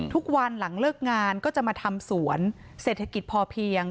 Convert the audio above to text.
ทุกวันหลังเลิกงานก็จะมาทำสวนเศรษฐกิจพอเพียง